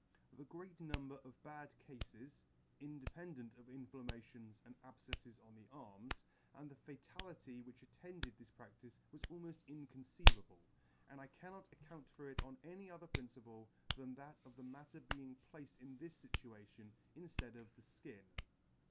The great number of bad Cafes, in dependent of inflammations and abfeefles on the arms, and the fatality which attended this practice was almofl: inconceivable ; and I cannot account for it on any other principle than that of the matter being placed in this fituation inftead of the fldn.